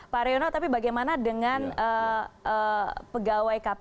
pak haryono tapi bagaimana dengan pegawai kpk